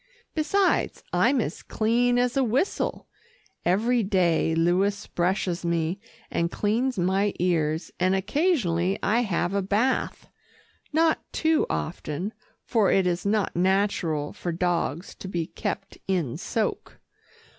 Besides, I'm as clean as a whistle. Every day Louis brushes me, and cleans my ears, and occasionally I have a bath. Not too often, for it is not natural for dogs to be kept in soak.